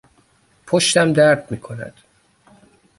پشتم درد میکند.